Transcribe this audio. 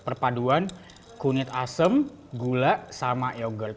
perpaduan kunyit asem gula sama yogurt